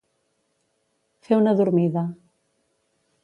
Fer una dormida.